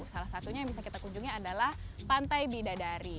salah satunya yang bisa kita kunjungi adalah pantai bidadari